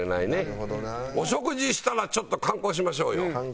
お食事したらちょっと観光しましょうよ。